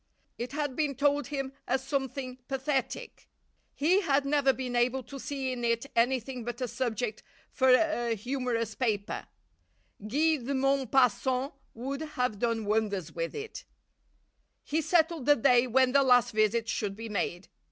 It had been told him as something pathetic. He had never been able to see in it anything but a subject for a humorous paper; Guy de Maupassant would have done wonders with it. He settled the day when the last visit should be made.